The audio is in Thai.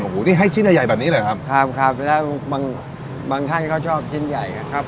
โอ้โหนี่ให้ชิ้นใหญ่ใหญ่แบบนี้เลยครับครับครับแล้วบางบางท่านก็ชอบชิ้นใหญ่นะครับ